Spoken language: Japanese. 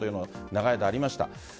長い間ありました。